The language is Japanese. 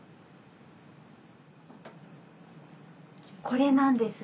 これなんです。